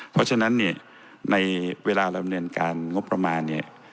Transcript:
เพราะฉะนั้นในเวลารำเนินการงบประมาณ